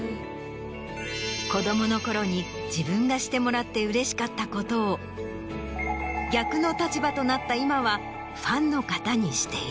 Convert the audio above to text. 子供のころに自分がしてもらってうれしかったことを逆の立場となった今はファンの方にしている。